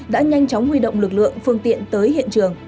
đã nhanh chóng huy động lực lượng phương tiện tới hiện trường